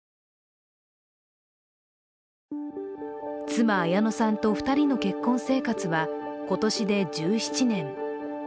妻・綾乃さんと２人の結婚生活は今年で１７年。